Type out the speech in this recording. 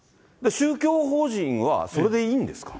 宗教法人はそれでいいんですか？